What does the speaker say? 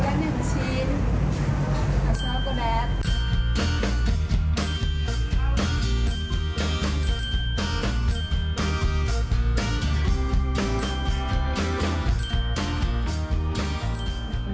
แบบที่๑ผ่านไป